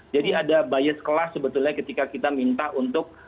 jadi ada bias kelas sebetulnya ketika kita minta untuk